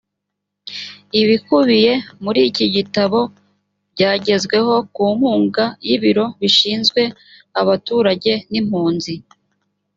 ibikubiye muri iki gitabo byagezweho ku nkunga y’ibiro bishinzwe abaturage n’ impunzi